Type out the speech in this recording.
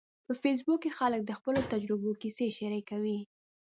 په فېسبوک کې خلک د خپلو تجربو کیسې شریکوي.